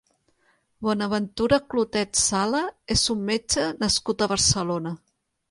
Bonaventura Clotet Sala és un metge nascut a Barcelona.